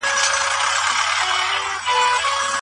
اسلام بدلون منلی سي.